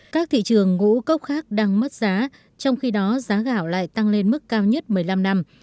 các thị trường ngũ cốc khác đang mất giá trong khi đó giá gạo lại tăng lên mức cao nhất một mươi năm năm